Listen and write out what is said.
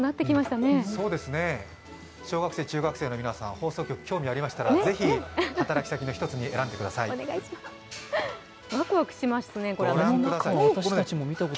小学生、中学生の皆さん、放送局、興味がありましたら、ぜひ働きさの一つに選んでください。